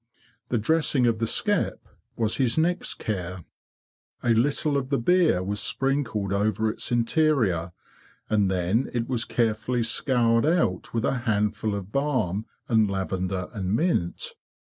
The dressing of the skep was his next care. A little of the beer was sprinkled over its interior, and then it was carefully scoured out with a handful of nD go THE BEE MASTER OF WARRILOW balm and lavender and mint.